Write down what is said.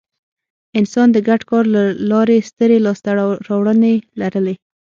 انسان د ګډ کار له لارې سترې لاستهراوړنې لرلې.